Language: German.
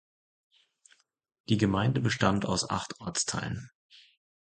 Die Gemeinde bestand aus acht Ortsteilen.